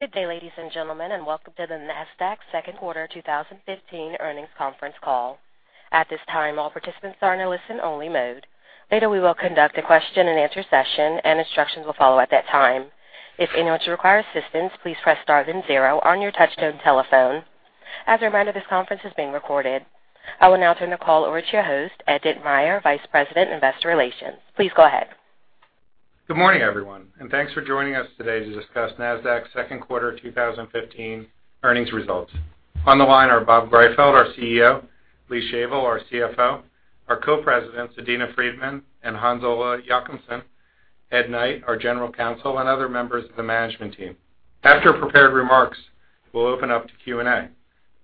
Good day, ladies and gentlemen, and welcome to the Nasdaq second quarter 2015 earnings conference call. At this time, all participants are in a listen only mode. Later, we will conduct a question and answer session and instructions will follow at that time. If anyone should require assistance, please press star then zero on your touchtone telephone. As a reminder, this conference is being recorded. I will now turn the call over to your host, Ed Ditmire, Vice President, Investor Relations. Please go ahead. Good morning, everyone, and thanks for joining us today to discuss Nasdaq's second quarter 2015 earnings results. On the line are Bob Greifeld, our CEO, Lee Shavel, our CFO, our co-presidents, Adena Friedman and Hans-Ole Jochumsen, Ed Knight, our general counsel, and other members of the management team. After prepared remarks, we'll open up to Q&A.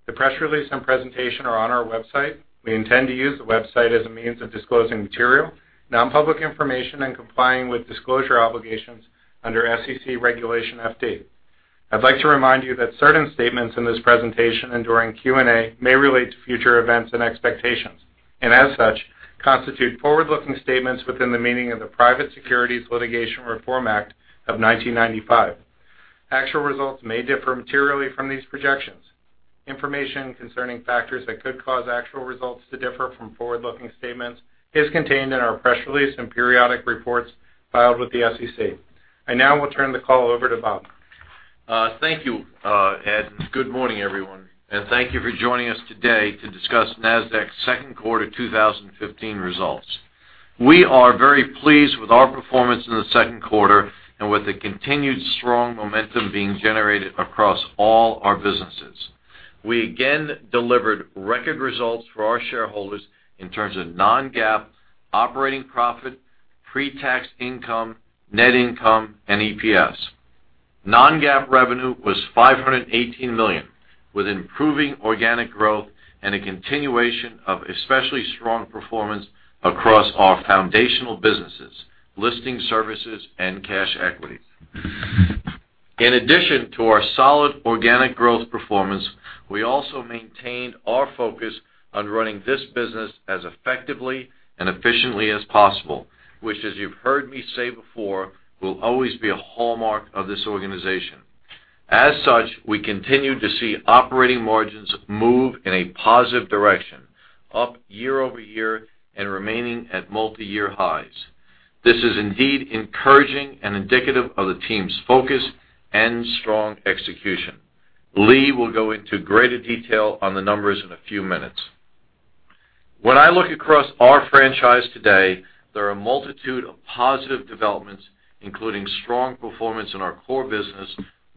The press release and presentation are on our website. We intend to use the website as a means of disclosing material, non-public information, and complying with disclosure obligations under SEC Regulation FD. I'd like to remind you that certain statements in this presentation and during Q&A may relate to future events and expectations, and as such, constitute forward-looking statements within the meaning of the Private Securities Litigation Reform Act of 1995. Actual results may differ materially from these projections. Information concerning factors that could cause actual results to differ from forward-looking statements is contained in our press release and periodic reports filed with the SEC. I now will turn the call over to Bob. Thank you, Ed. Good morning, everyone, and thank you for joining us today to discuss Nasdaq's second quarter 2015 results. We are very pleased with our performance in the second quarter and with the continued strong momentum being generated across all our businesses. We again delivered record results for our shareholders in terms of non-GAAP operating profit, pre-tax income, net income, and EPS. Non-GAAP revenue was $518 million, with improving organic growth and a continuation of especially strong performance across our foundational businesses, listing services and cash equities. In addition to our solid organic growth performance, we also maintained our focus on running this business as effectively and efficiently as possible, which, as you've heard me say before, will always be a hallmark of this organization. As such, we continue to see operating margins move in a positive direction, up year-over-year and remaining at multi-year highs. This is indeed encouraging and indicative of the team's focus and strong execution. Lee will go into greater detail on the numbers in a few minutes. When I look across our franchise today, there are a multitude of positive developments, including strong performance in our core business,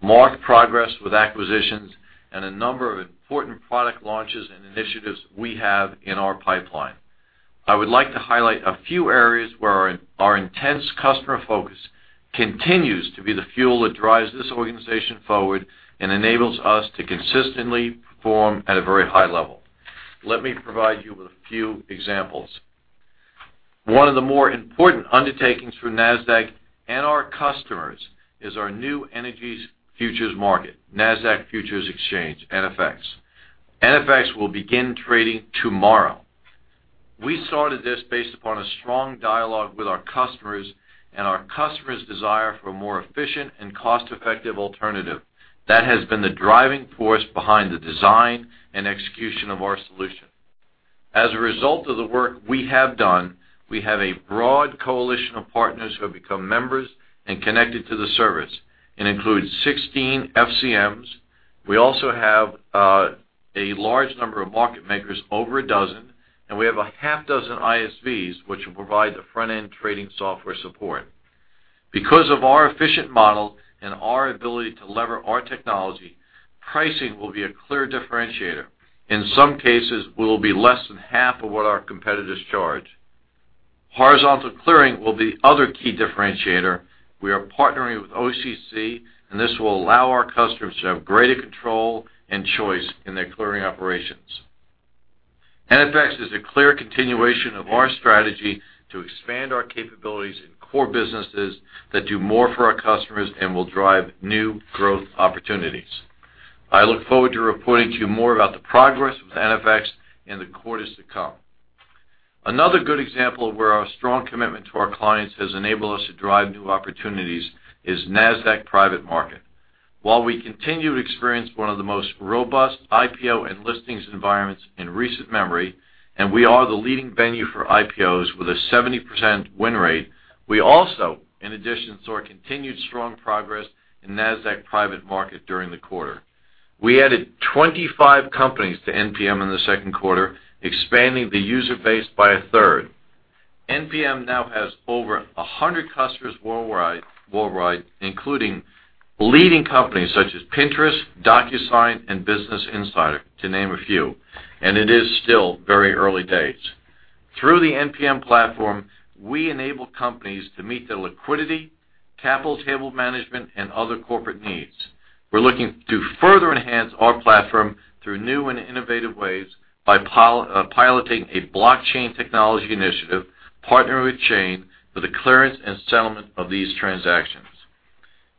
marked progress with acquisitions, and a number of important product launches and initiatives we have in our pipeline. I would like to highlight a few areas where our intense customer focus continues to be the fuel that drives this organization forward and enables us to consistently perform at a very high level. Let me provide you with a few examples. One of the more important undertakings for Nasdaq and our customers is our new energy futures market, Nasdaq Futures Exchange, NFX. NFX will begin trading tomorrow. We started this based upon a strong dialogue with our customers and our customers' desire for a more efficient and cost-effective alternative. That has been the driving force behind the design and execution of our solution. As a result of the work we have done, we have a broad coalition of partners who have become members and connected to the service. It includes 16 FCMs. We also have a large number of market makers, over a dozen, and we have a half dozen ISVs, which will provide the front-end trading software support. Because of our efficient model and our ability to lever our technology, pricing will be a clear differentiator. In some cases, we will be less than half of what our competitors charge. Horizontal clearing will be other key differentiator. We are partnering with OCC, and this will allow our customers to have greater control and choice in their clearing operations. NFX is a clear continuation of our strategy to expand our capabilities in core businesses that do more for our customers and will drive new growth opportunities. I look forward to reporting to you more about the progress with NFX in the quarters to come. Another good example of where our strong commitment to our clients has enabled us to drive new opportunities is Nasdaq Private Market. While we continue to experience one of the most robust IPO and listings environments in recent memory, and we are the leading venue for IPOs with a 70% win rate, we also, in addition, saw continued strong progress in Nasdaq Private Market during the quarter. We added 25 companies to NPM in the second quarter, expanding the user base by a third. NPM now has over 100 customers worldwide, including leading companies such as Pinterest, DocuSign, and Business Insider, to name a few, and it is still very early days. Through the NPM platform, we enable companies to meet their liquidity, capital table management, and other corporate needs. We're looking to further enhance our platform through new and innovative ways by piloting a blockchain technology initiative, partnering with Chain for the clearance and settlement of these transactions.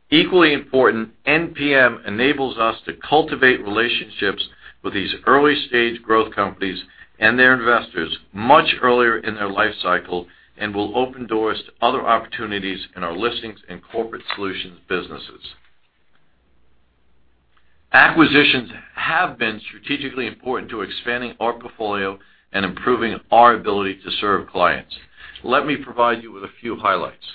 Equally important, NPM enables us to cultivate relationships with these early-stage growth companies and their investors much earlier in their life cycle and will open doors to other opportunities in our listings and corporate solutions businesses. Acquisitions have been strategically important to expanding our portfolio and improving our ability to serve clients. Let me provide you with a few highlights.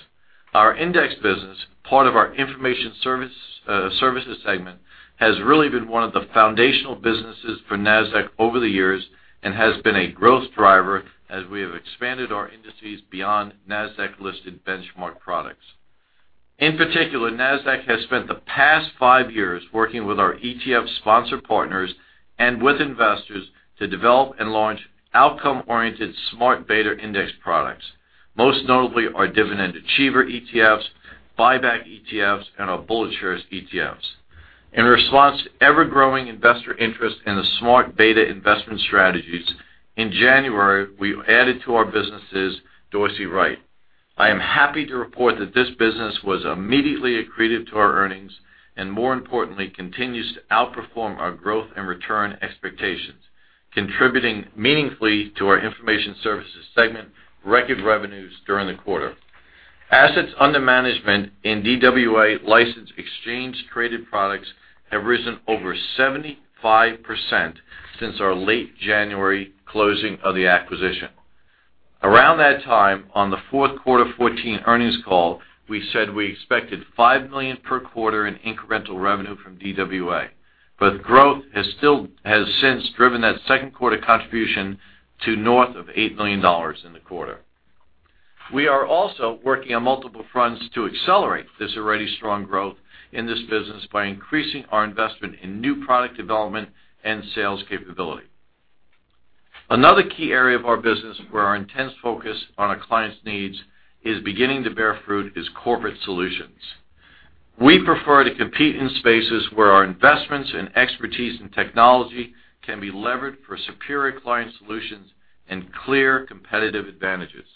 Our index business, part of our Information Services segment, has really been one of the foundational businesses for Nasdaq over the years and has been a growth driver as we have expanded our industries beyond Nasdaq-listed benchmark products. In particular, Nasdaq has spent the past five years working with our ETF sponsor partners and with investors to develop and launch outcome-oriented smart beta index products, most notably our Dividend Achievers ETFs, BuyBack Achievers ETFs, and our BulletShares ETFs. In response to ever-growing investor interest in the smart beta investment strategies, in January, we added to our businesses Dorsey Wright. I am happy to report that this business was immediately accretive to our earnings, and more importantly, continues to outperform our growth and return expectations, contributing meaningfully to our Information Services segment record revenues during the quarter. Assets under management in DWA licensed exchange traded products have risen over 75% since our late January closing of the acquisition. Around that time, on the fourth quarter 2014 earnings call, we said we expected $5 million per quarter in incremental revenue from DWA, but growth has since driven that second quarter contribution to north of $8 million in the quarter. We are also working on multiple fronts to accelerate this already strong growth in this business by increasing our investment in new product development and sales capability. Another key area of our business where our intense focus on a client's needs is beginning to bear fruit is Corporate Solutions. We prefer to compete in spaces where our investments and expertise in technology can be levered for superior client solutions and clear competitive advantages.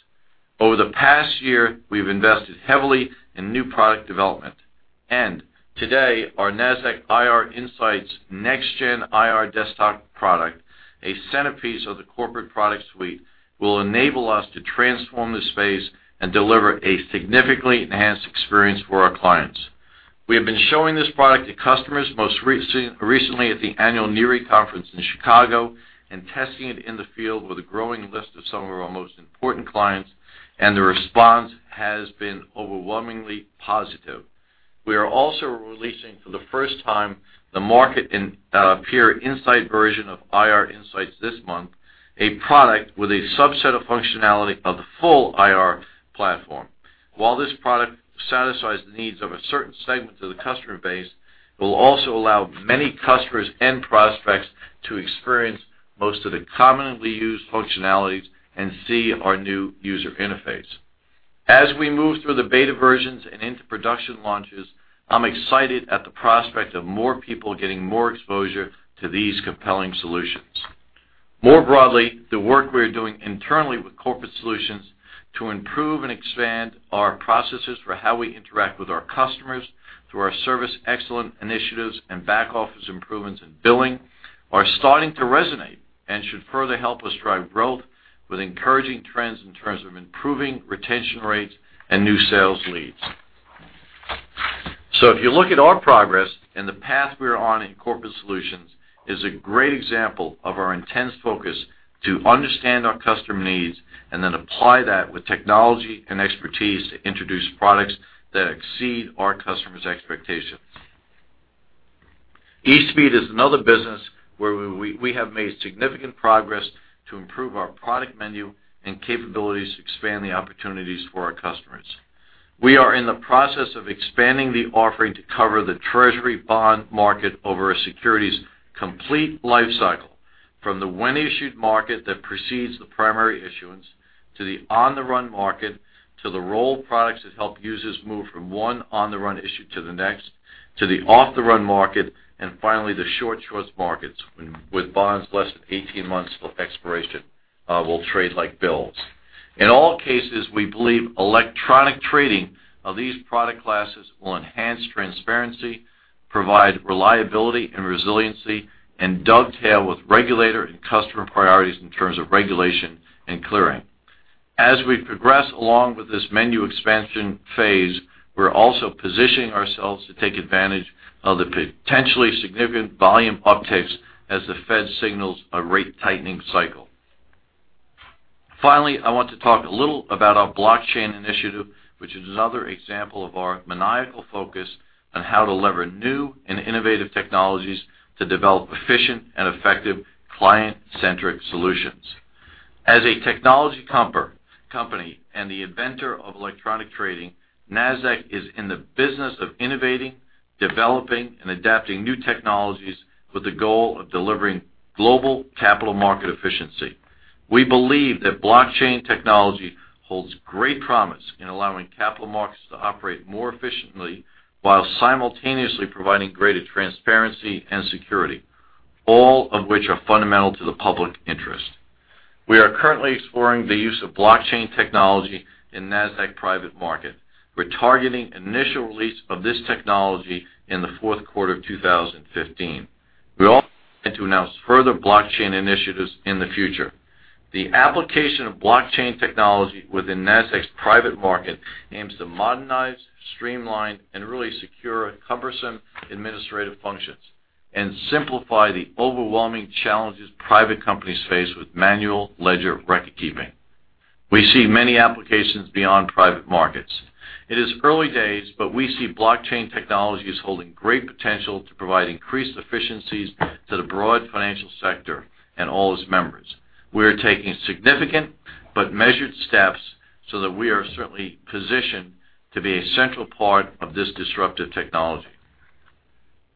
Over the past year, we've invested heavily in new product development. Today, our Nasdaq IR Insight next-gen IR desktop product, a centerpiece of the Corporate Product Suite, will enable us to transform the space and deliver a significantly enhanced experience for our clients. We have been showing this product to customers, most recently at the annual NIRI conference in Chicago, and testing it in the field with a growing list of some of our most important clients, and the response has been overwhelmingly positive. We are also releasing for the first time the Market Peer Insight version of IR Insight this month, a product with a subset of functionality of the full IR platform. While this product satisfies the needs of a certain segment of the customer base, it will also allow many customers and prospects to experience most of the commonly used functionalities and see our new user interface. As we move through the beta versions and into production launches, I'm excited at the prospect of more people getting more exposure to these compelling solutions. More broadly, the work we're doing internally with Corporate Solutions to improve and expand our processes for how we interact with our customers through our Service Excellence initiatives and back-office improvements in billing are starting to resonate and should further help us drive growth with encouraging trends in terms of improving retention rates and new sales leads. If you look at our progress and the path we're on in Corporate Solutions is a great example of our intense focus to understand our customer needs and then apply that with technology and expertise to introduce products that exceed our customers' expectations. eSpeed is another business where we have made significant progress to improve our product menu and capabilities to expand the opportunities for our customers. We are in the process of expanding the offering to cover the treasury bond market over a security's complete life cycle, from the when-issued market that precedes the primary issuance, to the on-the-run market, to the roll products that help users move from one on-the-run issue to the next, to the off-the-run market, and finally, the short-short markets with bonds less than 18 months till expiration will trade like bills. In all cases, we believe electronic trading of these product classes will enhance transparency, provide reliability and resiliency, and dovetail with regulator and customer priorities in terms of regulation and clearing. As we progress along with this menu expansion phase, we're also positioning ourselves to take advantage of the potentially significant volume uptakes as the Fed signals a rate tightening cycle. I want to talk a little about our blockchain initiative, which is another example of our maniacal focus on how to lever new and innovative technologies to develop efficient and effective client-centric solutions. As a technology company and the inventor of electronic trading, Nasdaq is in the business of innovating, developing, and adapting new technologies with the goal of delivering global capital market efficiency. We believe that blockchain technology holds great promise in allowing capital markets to operate more efficiently while simultaneously providing greater transparency and security, all of which are fundamental to the public interest. We are currently exploring the use of blockchain technology in Nasdaq Private Market. We're targeting initial release of this technology in the fourth quarter of 2015. We also plan to announce further blockchain initiatives in the future. The application of blockchain technology within Nasdaq's Private Market aims to modernize, streamline, and really secure cumbersome administrative functions and simplify the overwhelming challenges private companies face with manual ledger record-keeping. We see many applications beyond private markets. It is early days, but we see blockchain technologies holding great potential to provide increased efficiencies to the broad financial sector and all its members. We are taking significant but measured steps so that we are certainly positioned to be a central part of this disruptive technology.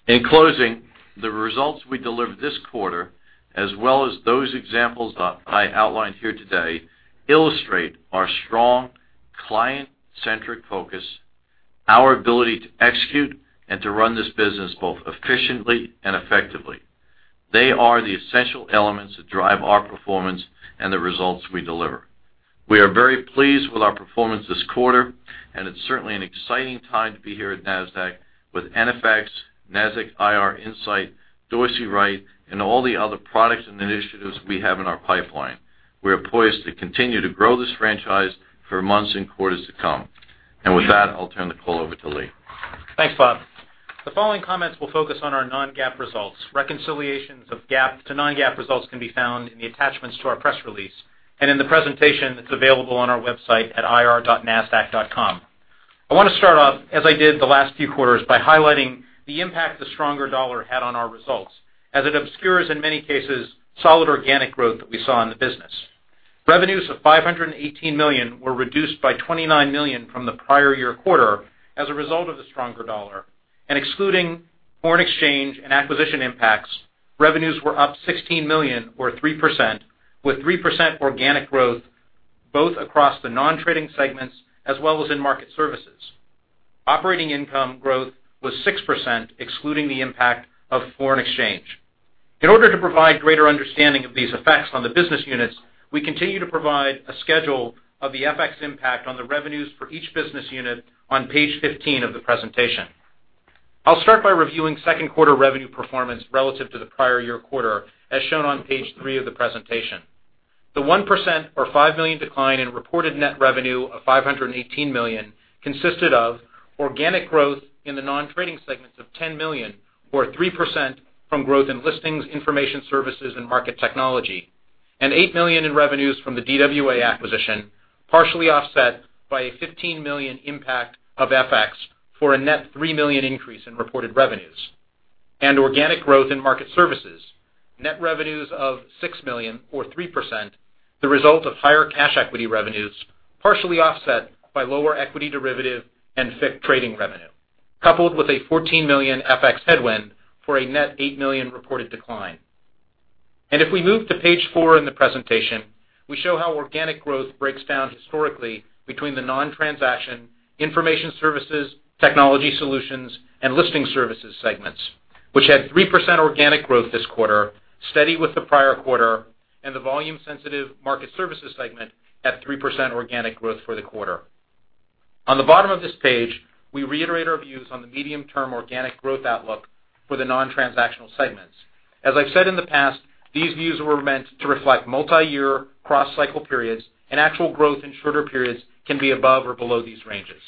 In closing, the results we delivered this quarter, as well as those examples that I outlined here today, illustrate our strong client-centric focus, our ability to execute and to run this business both efficiently and effectively. They are the essential elements that drive our performance and the results we deliver. We are very pleased with our performance this quarter, and it's certainly an exciting time to be here at Nasdaq with NFX, Nasdaq IR Insight, Dorsey Wright, and all the other products and initiatives we have in our pipeline. We are poised to continue to grow this franchise for months and quarters to come. With that, I'll turn the call over to Lee. Thanks, Bob. The following comments will focus on our non-GAAP results. Reconciliations of GAAP to non-GAAP results can be found in the attachments to our press release and in the presentation that's available on our website at ir.nasdaq.com. I want to start off, as I did the last few quarters, by highlighting the impact the stronger dollar had on our results, as it obscures, in many cases, solid organic growth that we saw in the business. Revenues of $518 million were reduced by $29 million from the prior year quarter as a result of the stronger dollar. Excluding foreign exchange and acquisition impacts, revenues were up $16 million or 3%, with 3% organic growth, both across the non-trading segments as well as in market services. Operating income growth was 6%, excluding the impact of foreign exchange. In order to provide greater understanding of these effects on the business units, we continue to provide a schedule of the FX impact on the revenues for each business unit on page 15 of the presentation. I'll start by reviewing second quarter revenue performance relative to the prior year quarter, as shown on page three of the presentation. The 1% or $5 million decline in reported net revenue of $518 million consisted of organic growth in the non-trading segments of $10 million, or 3%, from growth in listings, information services, and market technology, and $8 million in revenues from the DWA acquisition, partially offset by a $15 million impact of FX for a net $3 million increase in reported revenues. Organic growth in market services, net revenues of $6 million or 3%, the result of higher cash equity revenues, partially offset by lower equity derivative and FICC trading revenue, coupled with a $14 million FX headwind for a net $8 million reported decline. If we move to page four in the presentation, we show how organic growth breaks down historically between the non-transaction, information services, technology solutions, and listing services segments, which had 3% organic growth this quarter, steady with the prior quarter, and the volume-sensitive market services segment at 3% organic growth for the quarter. On the bottom of this page, we reiterate our views on the medium-term organic growth outlook for the non-transactional segments. As I've said in the past, these views were meant to reflect multi-year cross-cycle periods and actual growth in shorter periods can be above or below these ranges.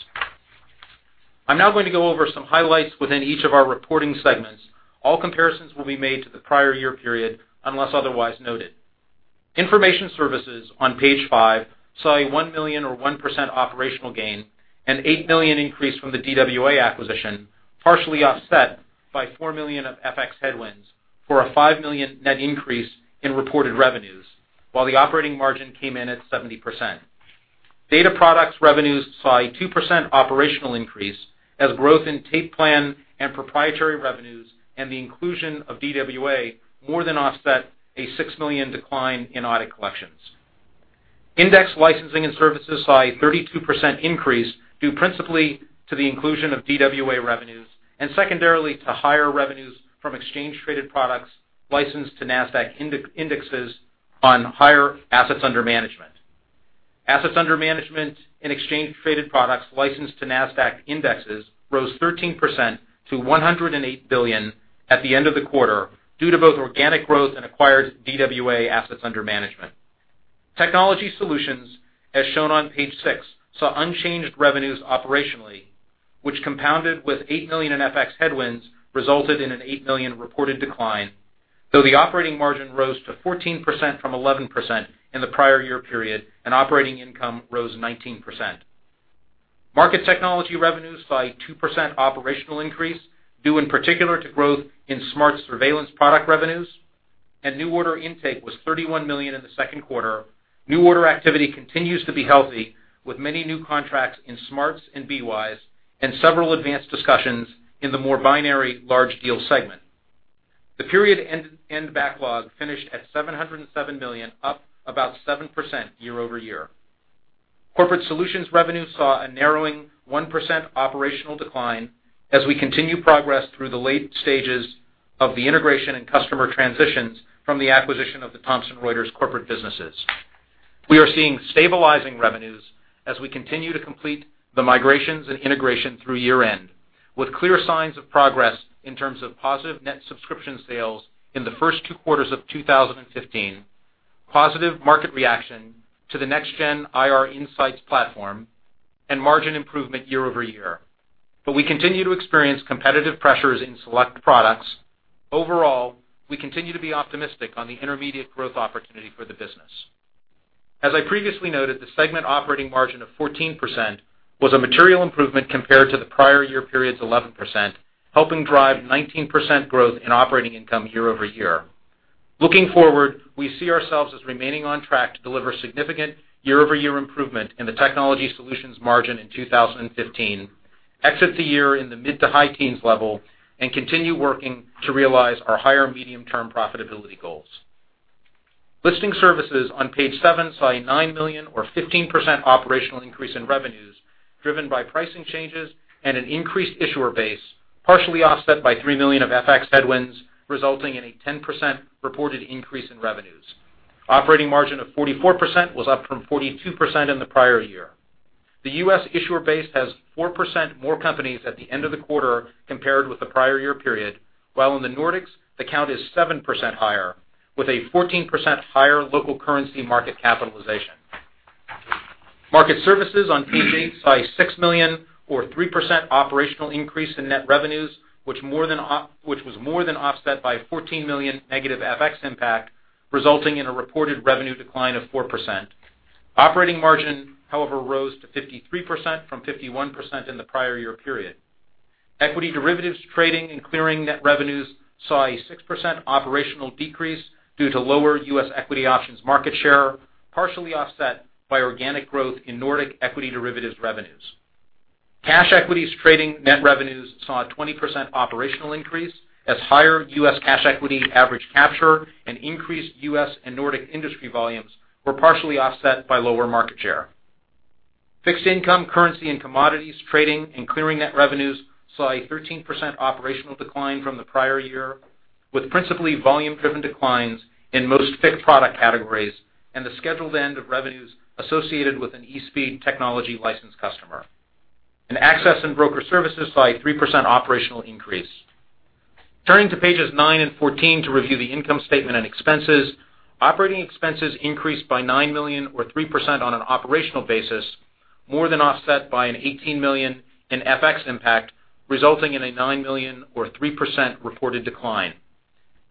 I'm now going to go over some highlights within each of our reporting segments. All comparisons will be made to the prior year period, unless otherwise noted. Information services on page five saw a $1 million or 1% operational gain and $8 million increase from the DWA acquisition, partially offset by $4 million of FX headwinds for a $5 million net increase in reported revenues, while the operating margin came in at 70%. Data products revenues saw a 2% operational increase as growth in Tape C and proprietary revenues and the inclusion of DWA more than offset a $6 million decline in audit collections. Index licensing and services saw a 32% increase due principally to the inclusion of DWA revenues and secondarily to higher revenues from exchange traded products licensed to Nasdaq indexes on higher assets under management. Assets under management in exchange traded products licensed to Nasdaq indexes rose 13% to $108 billion at the end of the quarter due to both organic growth and acquired DWA assets under management. Technology solutions, as shown on page six, saw unchanged revenues operationally, which compounded with $8 million in FX headwinds resulted in an $8 million reported decline, though the operating margin rose to 14% from 11% in the prior year period, and operating income rose 19%. Market technology revenues saw a 2% operational increase due in particular to growth in SMARTS product revenues, and new order intake was $31 million in the second quarter. New order activity continues to be healthy, with many new contracts in SMARTS and BWise and several advanced discussions in the more binary large deal segment. The period-end backlog finished at $707 million, up about 7% year-over-year. Corporate solutions revenue saw a narrowing 1% operational decline as we continue progress through the late stages of the integration and customer transitions from the acquisition of the Thomson Reuters corporate businesses. We are seeing stabilizing revenues as we continue to complete the migrations and integration through year-end, with clear signs of progress in terms of positive net subscription sales in the first two quarters of 2015, positive market reaction to the Nasdaq IR Insight platform, and margin improvement year-over-year. We continue to experience competitive pressures in select products. Overall, we continue to be optimistic on the intermediate growth opportunity for the business. As I previously noted, the segment operating margin of 14% was a material improvement compared to the prior year period's 11%, helping drive 19% growth in operating income year-over-year. Looking forward, we see ourselves as remaining on track to deliver significant year-over-year improvement in the technology solutions margin in 2015, exit the year in the mid to high teens level, and continue working to realize our higher medium-term profitability goals. Listing services on page seven saw a $9 million or 15% operational increase in revenues, driven by pricing changes and an increased issuer base, partially offset by $3 million of FX headwinds, resulting in a 10% reported increase in revenues. Operating margin of 44% was up from 42% in the prior year. The U.S. issuer base has 4% more companies at the end of the quarter compared with the prior year period, while in the Nordics, the count is 7% higher, with a 14% higher local currency market capitalization. Market services on page eight saw a $6 million or 3% operational increase in net revenues, which was more than offset by $14 million negative FX impact, resulting in a reported revenue decline of 4%. Operating margin, however, rose to 53% from 51% in the prior year period. Equity derivatives trading and clearing net revenues saw a 6% operational decrease due to lower U.S. equity options market share, partially offset by organic growth in Nordic equity derivatives revenues. Cash equities trading net revenues saw a 20% operational increase as higher U.S. cash equity average capture and increased U.S. and Nordic industry volumes were partially offset by lower market share. Fixed income currency and commodities trading and clearing net revenues saw a 13% operational decline from the prior year, with principally volume-driven declines in most FICC product categories and the scheduled end of revenues associated with an eSpeed technology license customer. Access and broker services saw a 3% operational increase. Turning to pages nine and 14 to review the income statement and expenses. Operating expenses increased by $9 million or 3% on an operational basis, more than offset by an $18 million in FX impact, resulting in a $9 million or 3% reported decline.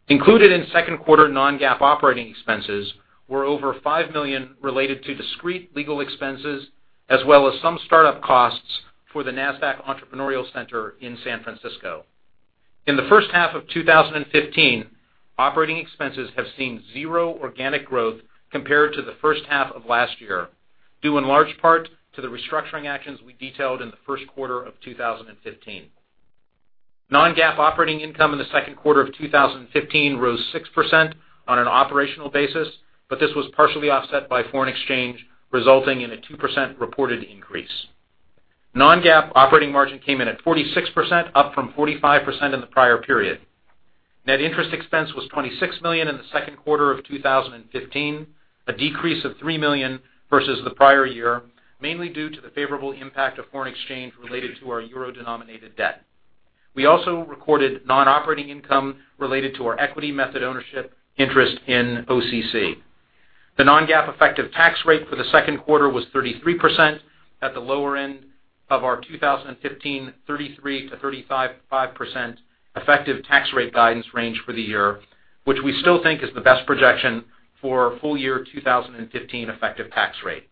Included in second quarter non-GAAP operating expenses were over $5 million related to discrete legal expenses, as well as some startup costs for the Nasdaq Entrepreneurial Center in San Francisco. In the first half of 2015, operating expenses have seen zero organic growth compared to the first half of last year, due in large part to the restructuring actions we detailed in the first quarter of 2015. Non-GAAP operating income in the second quarter of 2015 rose 6% on an operational basis, this was partially offset by foreign exchange, resulting in a 2% reported increase. Non-GAAP operating margin came in at 46%, up from 45% in the prior period. Net interest expense was $26 million in the second quarter of 2015, a decrease of $3 million versus the prior year, mainly due to the favorable impact of foreign exchange related to our euro-denominated debt. We also recorded non-operating income related to our equity method ownership interest in OCC. The non-GAAP effective tax rate for the second quarter was 33% at the lower end of our 2015 33%-35% effective tax rate guidance range for the year, which we still think is the best projection for full year 2015 effective tax rate.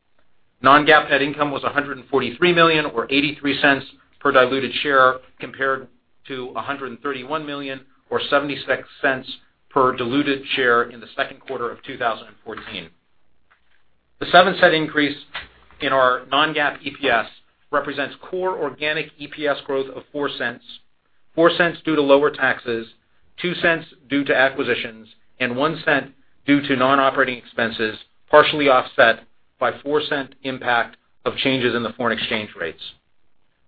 Non-GAAP net income was $143 million, or $0.83 per diluted share, compared to $131 million or $0.76 per diluted share in the second quarter of 2014. The $0.07 increase in our non-GAAP EPS represents core organic EPS growth of $0.04, $0.04 due to lower taxes, $0.02 due to acquisitions, and $0.01 due to non-operating expenses, partially offset by $0.04 impact of changes in the foreign exchange rates.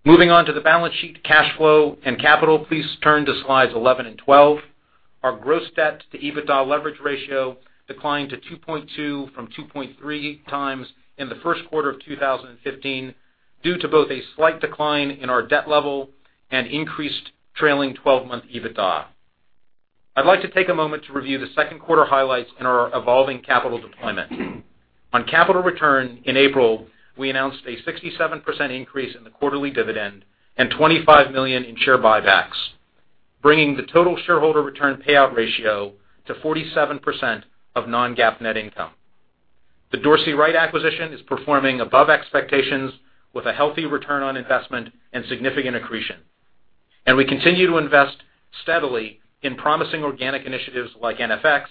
Moving on to the balance sheet, cash flow, and capital, please turn to slides 11 and 12. Our gross debt to EBITDA leverage ratio declined to 2.2 from 2.3 times in the first quarter of 2015, due to both a slight decline in our debt level and increased trailing 12-month EBITDA. I'd like to take a moment to review the second quarter highlights in our evolving capital deployment. On capital return in April, we announced a 67% increase in the quarterly dividend and $25 million in share buybacks, bringing the total shareholder return payout ratio to 47% of non-GAAP net income. The Dorsey Wright acquisition is performing above expectations with a healthy return on investment and significant accretion. We continue to invest steadily in promising organic initiatives like NFX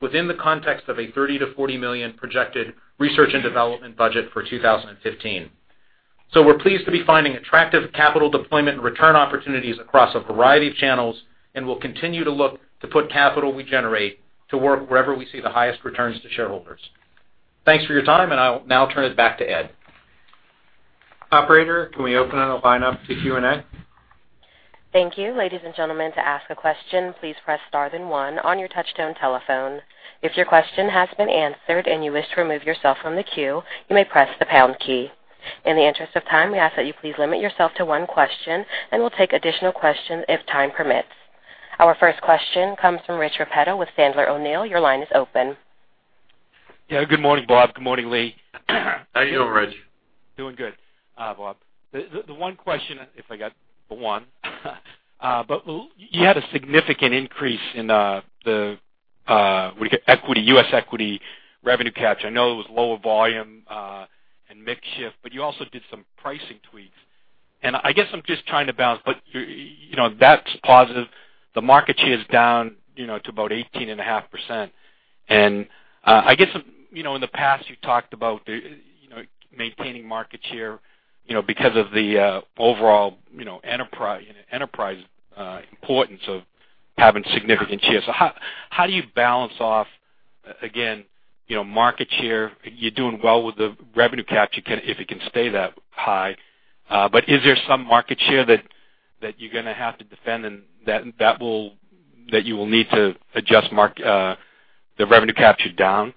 within the context of a $30 million-$40 million projected research and development budget for 2015. We're pleased to be finding attractive capital deployment and return opportunities across a variety of channels, we'll continue to look to put capital we generate to work wherever we see the highest returns to shareholders. Thanks for your time, I will now turn it back to Ed. Operator, can we open it up line up to Q&A? Thank you. Ladies and gentlemen, to ask a question, please press star then one on your touchtone telephone. If your question has been answered and you wish to remove yourself from the queue, you may press the pound key. In the interest of time, we ask that you please limit yourself to one question and we'll take additional questions if time permits. Our first question comes from Rich Repetto with Sandler O'Neill. Your line is open. Yeah. Good morning, Bob. Good morning, Lee. How are you doing, Rich? Doing good, Bob. The one question, if I got the one, you had a significant increase in the U.S. equity revenue capture. I know it was lower volume, and mix shift, you also did some pricing tweaks. I guess I'm just trying to balance, that's positive. The market share is down to about 18.5%. I guess, in the past you've talked about maintaining market share because of the overall enterprise importance of having significant share. How do you balance off again, market share? You're doing well with the revenue capture if it can stay that high. Is there some market share that you're going to have to defend and that you will need to adjust the revenue capture down?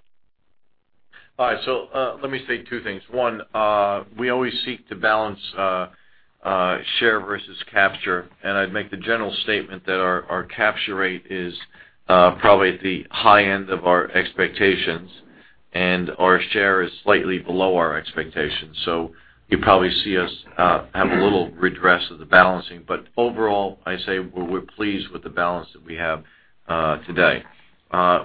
All right. Let me state two things. One, we always seek to balance share versus capture. I'd make the general statement that our capture rate is probably at the high end of our expectations, and our share is slightly below our expectations. You probably see us have a little redress of the balancing. Overall, I say we're pleased with the balance that we have today.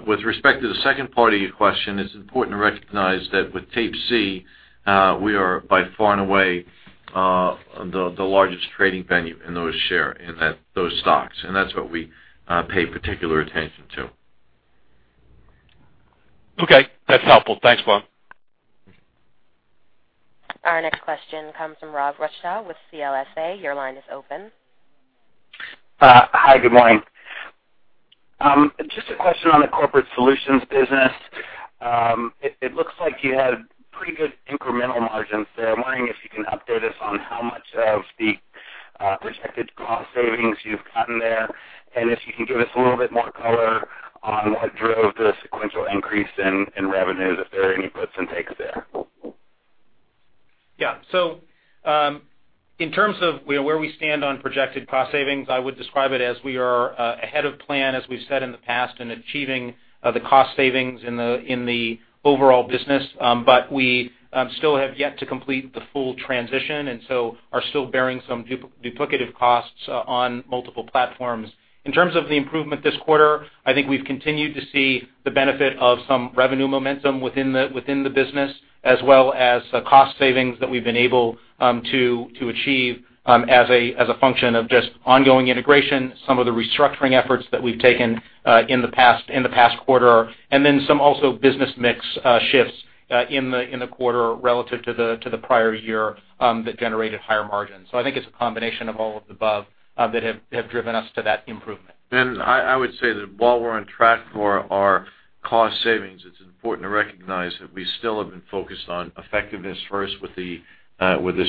With respect to the second part of your question, it's important to recognize that with Tape C, we are by far and away the largest trading venue in those stocks. That's what we pay particular attention to. Okay. That's helpful. Thanks, Bob. Our next question comes from Rob Rutschow with CLSA. Your line is open. Hi, good morning. Just a question on the corporate solutions business. It looks like you had pretty good incremental margins there. I'm wondering if you can update us on how much of the projected cost savings you've gotten there, and if you can give us a little bit more color on what drove the sequential increase in revenues, if there are any puts and takes there. Yeah. In terms of where we stand on projected cost savings, I would describe it as we are ahead of plan, as we've said in the past, in achieving the cost savings in the overall business. We still have yet to complete the full transition and are still bearing some duplicative costs on multiple platforms. In terms of the improvement this quarter, I think we've continued to see the benefit of some revenue momentum within the business as well as the cost savings that we've been able to achieve as a function of just ongoing integration, some of the restructuring efforts that we've taken in the past quarter, then some also business mix shifts in the quarter relative to the prior year that generated higher margins. I think it's a combination of all of the above that have driven us to that improvement. I would say that while we're on track for our cost savings, it's important to recognize that we still have been focused on effectiveness first with this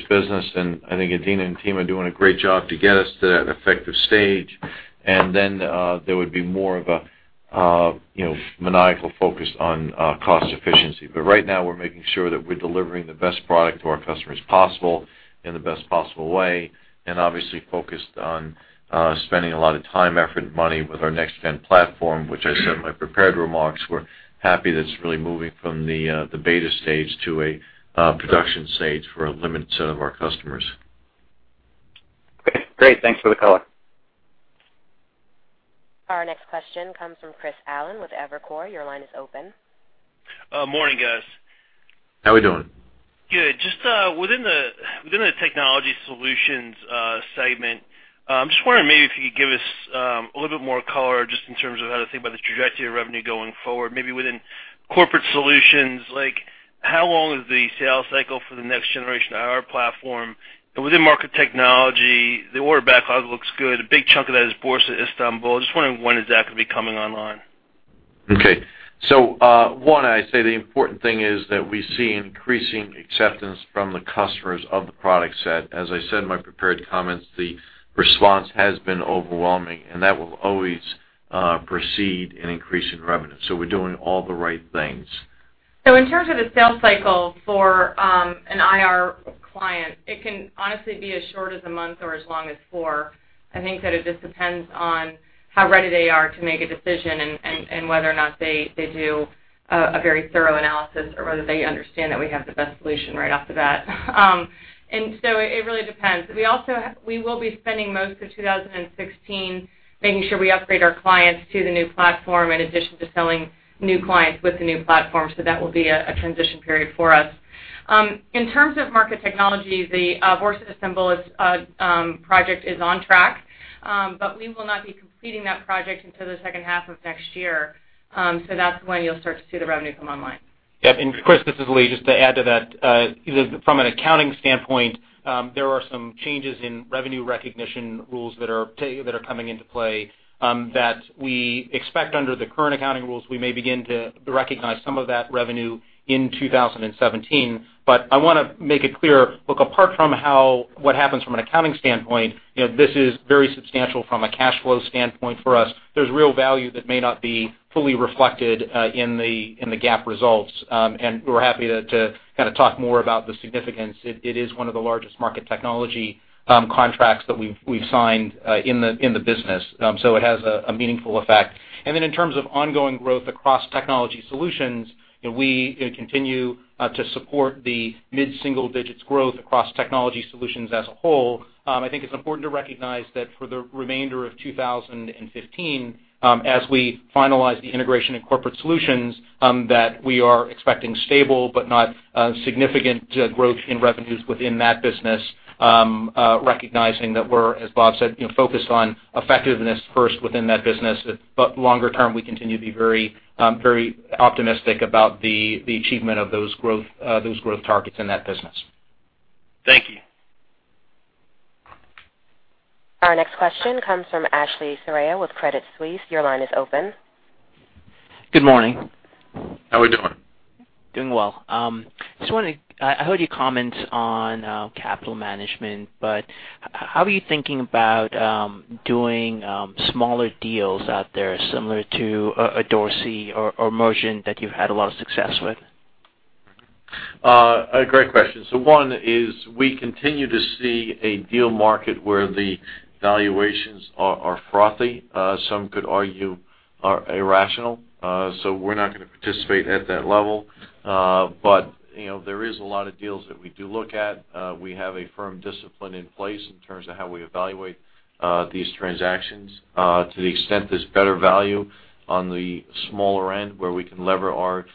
business. I think Adena and team are doing a great job to get us to that effective stage. Then, there would be more of a maniacal focus on cost efficiency. Right now, we're making sure that we're delivering the best product to our customers possible in the best possible way, and obviously focused on spending a lot of time, effort, and money with our NextGen platform, which I said in my prepared remarks, we're happy that it's really moving from the beta stage to a production stage for a limited set of our customers. Okay, great. Thanks for the color. Our next question comes from Chris Allen with Evercore. Your line is open. Morning, guys. How we doing? Good. Just within the Technology Solutions segment, I'm just wondering maybe if you could give us a little bit more color just in terms of how to think about the trajectory of revenue going forward, maybe within Corporate Solutions, like how long is the sales cycle for the next generation IR platform? Within Market Technology, the order backlog looks good. A big chunk of that is Borsa Istanbul. I'm just wondering when is that going to be coming online? Okay. One, I say the important thing is that we see increasing acceptance from the customers of the product set. As I said in my prepared comments, the response has been overwhelming, and that will always precede an increase in revenue. We're doing all the right things. In terms of the sales cycle for an IR client, it can honestly be as short as a month or as long as four. I think that it just depends on how ready they are to make a decision and whether or not they do a very thorough analysis or whether they understand that we have the best solution right off the bat. It really depends. We will be spending most of 2016 making sure we upgrade our clients to the new platform in addition to selling new clients with the new platform. That will be a transition period for us. In terms of Market Technology, the Borsa Istanbul project is on track. We will not be completing that project until the second half of next year. That's when you'll start to see the revenue come online. Yeah. Chris, this is Lee. Just to add to that, from an accounting standpoint, there are some changes in revenue recognition rules that are coming into play that we expect under the current accounting rules, we may begin to recognize some of that revenue in 2017. I want to make it clear, look, apart from what happens from an accounting standpoint, this is very substantial from a cash flow standpoint for us. There's real value that may not be fully reflected in the GAAP results. We're happy to kind of talk more about the significance. It is one of the largest market technology contracts that we've signed in the business. It has a meaningful effect. Then in terms of ongoing growth across technology solutions, we continue to support the mid-single digits growth across technology solutions as a whole. I think it's important to recognize that for the remainder of 2015, as we finalize the integration and corporate solutions, that we are expecting stable but not significant growth in revenues within that business, recognizing that we're, as Bob said, focused on effectiveness first within that business. Longer term, we continue to be very optimistic about the achievement of those growth targets in that business. Thank you. Our next question comes from Ashley Serrao with Credit Suisse. Your line is open. Good morning. How are we doing? Doing well. I heard your comments on capital management, how are you thinking about doing smaller deals out there similar to a Dorsey or Mergent that you've had a lot of success with? A great question. One is we continue to see a deal market where the valuations are frothy. Some could argue are irrational. We're not going to participate at that level. There is a lot of deals that we do look at. We have a firm discipline in place in terms of how we evaluate these transactions. To the extent there's better value on the smaller end where we can lever our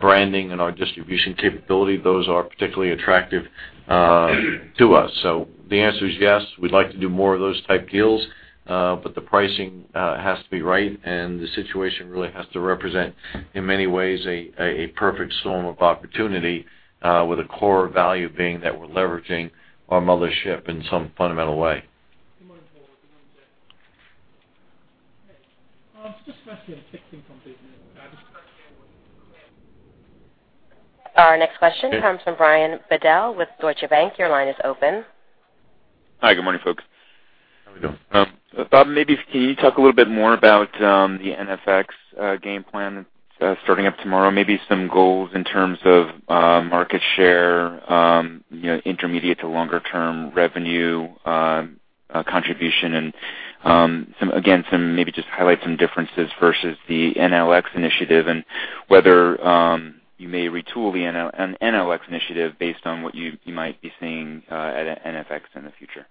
branding and our distribution capability, those are particularly attractive to us. The answer is yes, we'd like to do more of those type deals. The pricing has to be right, and the situation really has to represent, in many ways, a perfect storm of opportunity, with a core value being that we're leveraging our mothership in some fundamental way. Our next question comes from Brian Bedell with Deutsche Bank. Your line is open. Hi, good morning, folks. How are we doing? Bob, maybe can you talk a little bit more about the NFX game plan starting up tomorrow? Maybe some goals in terms of market share, intermediate to longer-term revenue contribution, and again, maybe just highlight some differences versus the NLX initiative and whether you may retool the NLX initiative based on what you might be seeing at NFX in the future.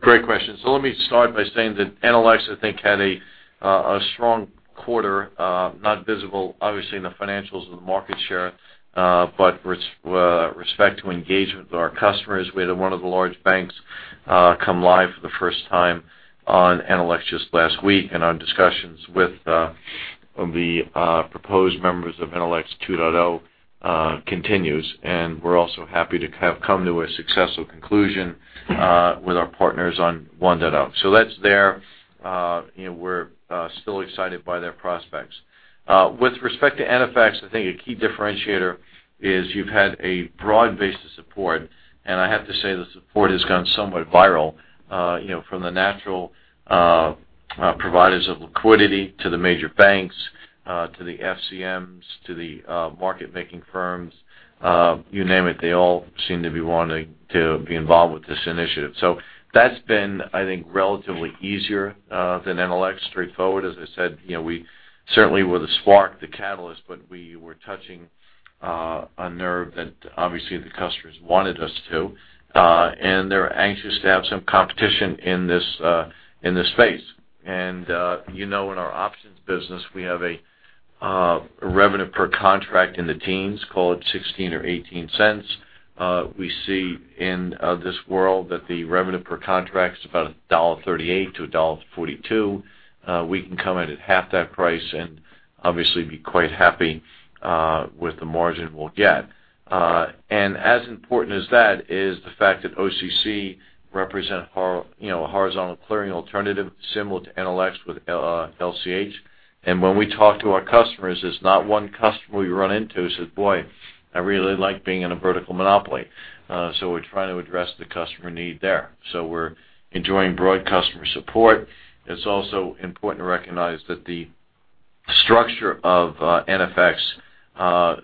Great question. Let me start by saying that NLX, I think, had a strong quarter, not visible, obviously, in the financials of the market share. With respect to engagement with our customers, we had one of the large banks come live for the first time on NLX just last week, and our discussions with the proposed members of NLX 2.0 continues, and we're also happy to have come to a successful conclusion with our partners on 1.0. That's there. We're still excited by their prospects. With respect to NFX, I think a key differentiator is you've had a broad base of support, and I have to say the support has gone somewhat viral from the natural providers of liquidity to the major banks, to the FCMs, to the market-making firms. You name it, they all seem to be wanting to be involved with this initiative. That's been, I think, relatively easier than NLX. Straightforward, as I said, we certainly were the spark, the catalyst, we were touching a nerve that obviously the customers wanted us to. They're anxious to have some competition in this space. You know in our options business, we have a revenue per contract in the teens, call it $0.16 or $0.18. We see in this world that the revenue per contract is about $1.38 to $1.42. We can come in at half that price and obviously be quite happy with the margin we'll get. As important as that is the fact that OCC represent a horizontal clearing alternative similar to NLX with LCH. When we talk to our customers, there's not one customer we run into who says, "Boy, I really like being in a vertical monopoly." We're trying to address the customer need there. We're enjoying broad customer support. It's also important to recognize that the structure of NFX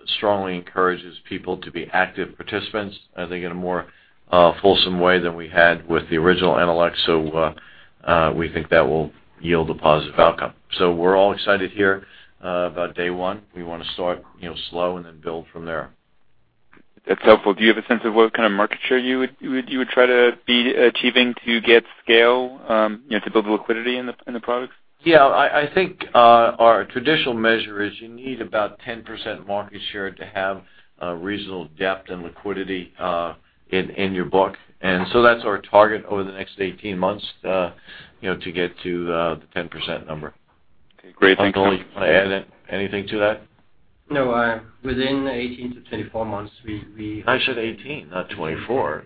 strongly encourages people to be active participants, I think in a more fulsome way than we had with the original NLX. We think that will yield a positive outcome. We're all excited here about day one. We want to start slow and then build from there. That's helpful. Do you have a sense of what kind of market share you would try to be achieving to get scale to build liquidity in the products? I think our traditional measure is you need about 10% market share to have reasonable depth and liquidity in your book. That's our target over the next 18 months to get to the 10% number. Great. Thank you. Tony, you want to add anything to that? No, within 18 to 24 months. I said 18, not 24.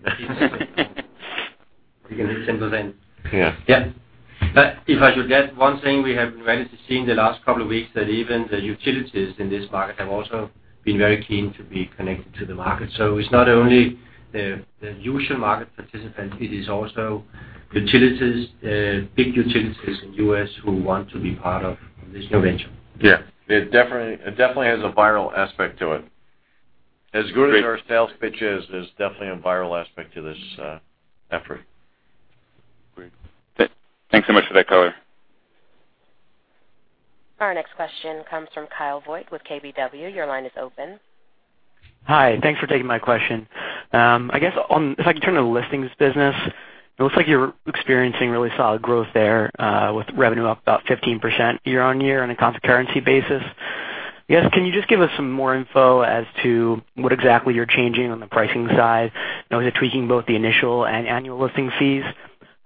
We can hit single then. Yeah. Yeah. If I should get one thing, we have managed to see in the last couple of weeks that even the utilities in this market have also been very keen to be connected to the market. It's not only the usual market participants, it is also big utilities in U.S. who want to be part of this new venture. Yeah. It definitely has a viral aspect to it. As good as our sales pitch is, there's definitely a viral aspect to this effort. Great. Thanks so much for that color. Our next question comes from Kyle Voigt with KBW. Your line is open. Hi. Thanks for taking my question. If I can turn to the listings business, it looks like you're experiencing really solid growth there, with revenue up about 15% year-over-year on a constant currency basis. Can you just give us some more info as to what exactly you're changing on the pricing side? I know you're tweaking both the initial and annual listing fees.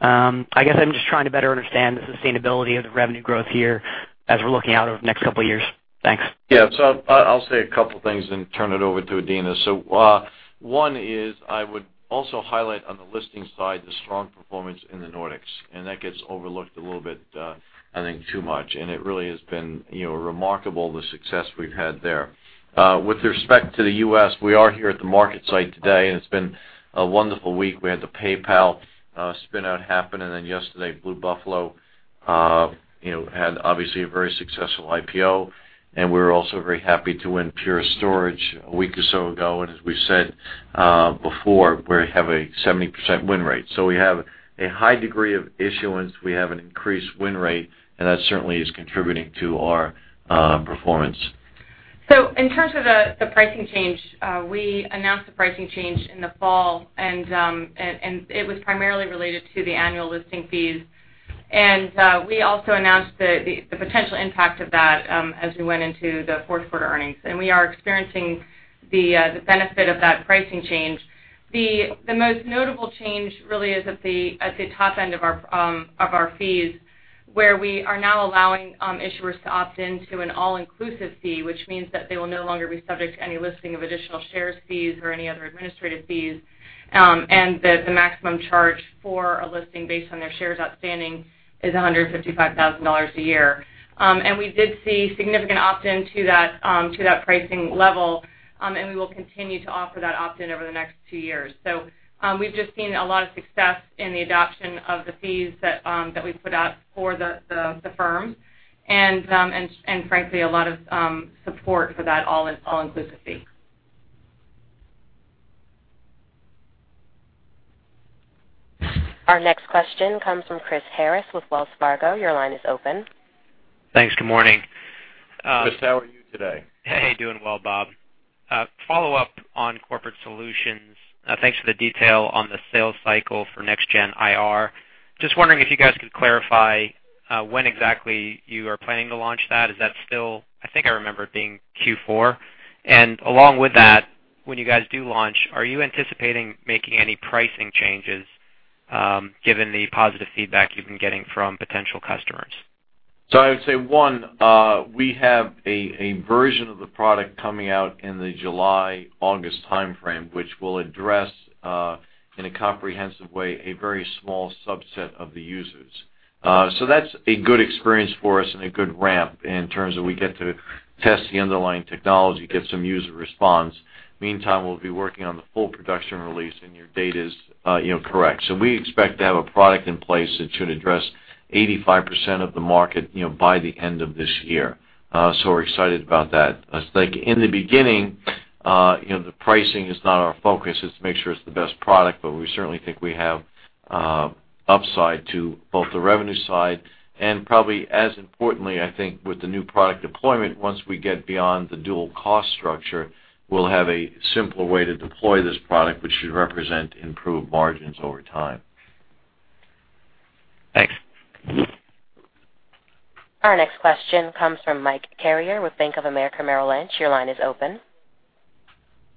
I'm just trying to better understand the sustainability of the revenue growth here as we're looking out over the next couple of years. Thanks. Yeah. I'll say a couple of things and turn it over to Adena. One is, I would also highlight on the listing side, the strong performance in the Nordics, and that gets overlooked a little bit, I think too much, and it really has been remarkable, the success we've had there. With respect to the U.S., we are here at the MarketSite today, and it's been a wonderful week. We had the PayPal spin-out happen, and then yesterday, Blue Buffalo had obviously a very successful IPO, and we're also very happy to win Pure Storage a week or so ago. As we said before, we have a 70% win rate. We have a high degree of issuance. We have an increased win rate, and that certainly is contributing to our performance. In terms of the pricing change, we announced the pricing change in the fall, and it was primarily related to the annual listing fees. We also announced the potential impact of that as we went into the fourth quarter earnings, and we are experiencing the benefit of that pricing change. The most notable change really is at the top end of our fees, where we are now allowing issuers to opt into an all-inclusive fee, which means that they will no longer be subject to any listing of additional shares fees or any other administrative fees, and that the maximum charge for a listing based on their shares outstanding is $155,000 a year. We did see significant opt-in to that pricing level, and we will continue to offer that opt-in over the next two years. We've just seen a lot of success in the adoption of the fees that we put out for the firms and frankly, a lot of support for that all-inclusive fee. Our next question comes from Christopher Harris with Wells Fargo. Your line is open. Thanks. Good morning. Chris, how are you today? Hey, doing well, Bob. Follow-up on corporate solutions. Thanks for the detail on the sales cycle for NextGen IR. Just wondering if you guys could clarify when exactly you are planning to launch that. I think I remember it being Q4. Along with that, when you guys do launch, are you anticipating making any pricing changes given the positive feedback you've been getting from potential customers? I would say, one, we have a version of the product coming out in the July, August timeframe, which will address, in a comprehensive way, a very small subset of the users. That's a good experience for us and a good ramp in terms of we get to test the underlying technology, get some user response. Meantime, we'll be working on the full production release, and your date is correct. We expect to have a product in place that should address 85% of the market by the end of this year. We're excited about that. I think in the beginning, the pricing is not our focus. It's to make sure it's the best product. We certainly think we have upside to both the revenue side and probably as importantly, I think with the new product deployment, once we get beyond the dual-cost structure, we'll have a simpler way to deploy this product, which should represent improved margins over time. Thanks. Our next question comes from Michael Carrier with Bank of America Merrill Lynch. Your line is open.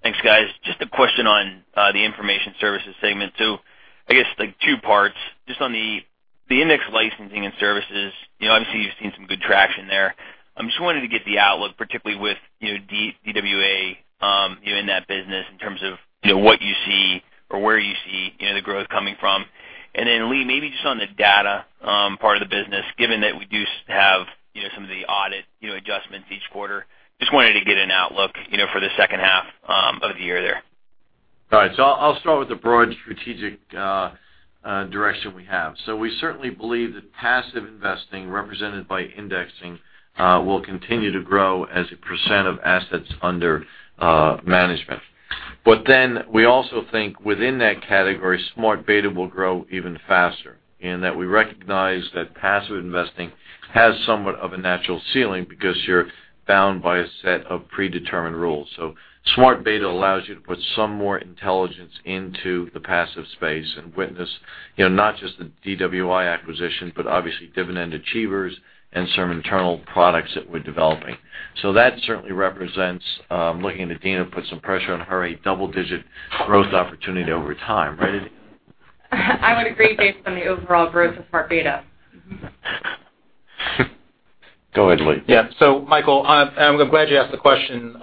Thanks, guys. A question on the information services segment. I guess two parts. On the index licensing and services, obviously you've seen some good traction there. I wanted to get the outlook, particularly with DWA in that business in terms of what you see or where you see the growth coming from. Then Lee, maybe on the data part of the business, given that we do have some of the audit adjustments each quarter, wanted to get an outlook for the second half of the year there. I'll start with the broad strategic direction we have. We certainly believe that passive investing represented by indexing will continue to grow as a percent of assets under management. We also think within that category, smart beta will grow even faster, and that we recognize that passive investing has somewhat of a natural ceiling because you're bound by a set of predetermined rules. Smart beta allows you to put some more intelligence into the passive space and witness not just the DWA acquisition, but obviously Dividend Achievers and some internal products that we're developing. That certainly represents, looking at Adena, put some pressure on her, a double-digit growth opportunity over time. Right, Adena? I would agree based on the overall growth of smart beta. Go ahead, Lee. Yeah. Michael, I'm glad you asked the question.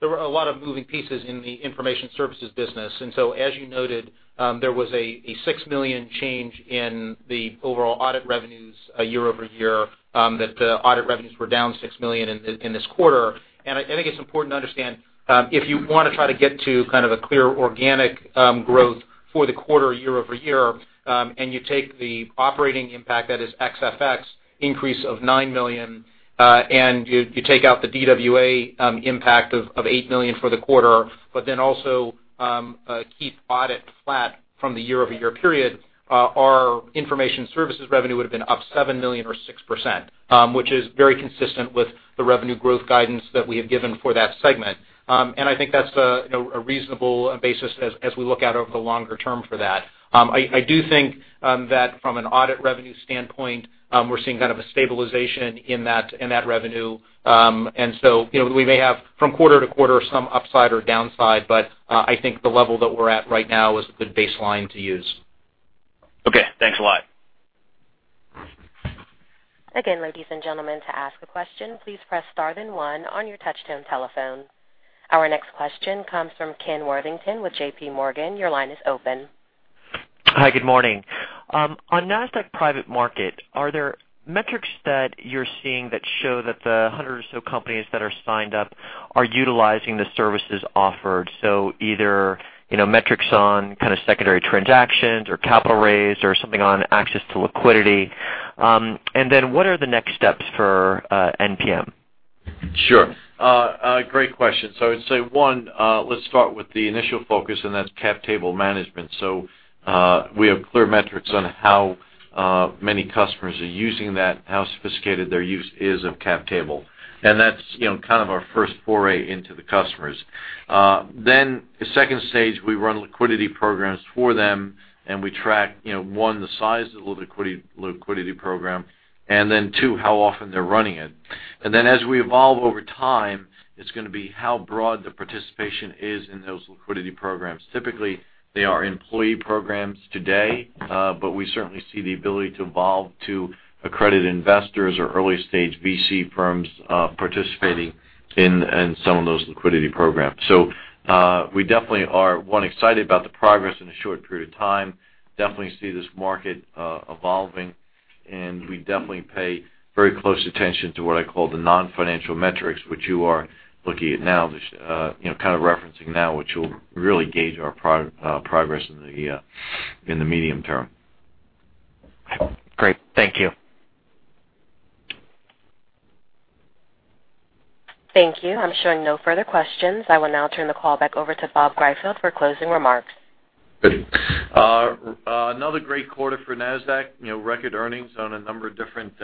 There were a lot of moving pieces in the information services business. As you noted, there was a $6 million change in the overall audit revenues year-over-year, that the audit revenues were down $6 million in this quarter. I think it's important to understand, if you want to try to get to a clear organic growth for the quarter year-over-year, you take the operating impact, that is ex-FX increase of $9 million, you take out the DWA impact of $8 million for the quarter, also keep audit flat from the year-over-year period, our information services revenue would have been up $7 million or 6%, which is very consistent with the revenue growth guidance that we have given for that segment. I think that's a reasonable basis as we look out over the longer term for that. I do think that from an audit revenue standpoint, we're seeing a stabilization in that revenue. We may have from quarter to quarter some upside or downside, but I think the level that we're at right now is a good baseline to use. Okay, thanks a lot. Again, ladies and gentlemen, to ask a question, please press star then 1 on your touch-tone telephone. Our next question comes from Kenneth Worthington with J.P. Morgan. Your line is open. Hi, good morning. On Nasdaq Private Market, are there metrics that you're seeing that show that the 100 or so companies that are signed up are utilizing the services offered? Either, metrics on secondary transactions or capital raised or something on access to liquidity. What are the next steps for NPM? Sure. Great question. I would say, 1, let's start with the initial focus, and that's cap table management. We have clear metrics on how many customers are using that and how sophisticated their use is of cap table. That's our first foray into the customers. The stage 2, we run liquidity programs for them and we track, 1, the size of the liquidity program, and then 2, how often they're running it. As we evolve over time, it's going to be how broad the participation is in those liquidity programs. Typically, they are employee programs today, but we certainly see the ability to evolve to accredited investors or early-stage VC firms participating in some of those liquidity programs. We definitely are, one, excited about the progress in a short period of time, definitely see the market evolving, and we definitely pay very close attention to what I call the non-financial metrics, which you are looking at now, just kind of referencing now, which will really gauge our progress in the medium term. Great. Thank you. Thank you. I'm showing no further questions. I will now turn the call back over to Robert Greifeld for closing remarks. Good. Another great quarter for Nasdaq. Record earnings on a number of different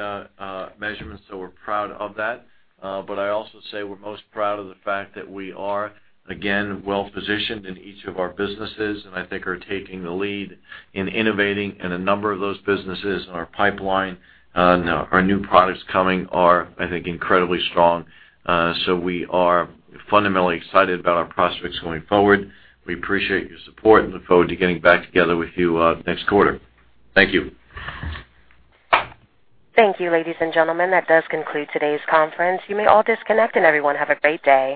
measurements, so we're proud of that. I also say we're most proud of the fact that we are, again, well-positioned in each of our businesses, and I think are taking the lead in innovating in a number of those businesses in our pipeline. Our new products coming are, I think, incredibly strong. We are fundamentally excited about our prospects going forward. We appreciate your support and look forward to getting back together with you next quarter. Thank you. Thank you, ladies and gentlemen. That does conclude today's conference. You may all disconnect, and everyone have a great day.